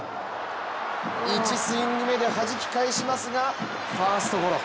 １スイング目ではじき返しますがファーストゴロ。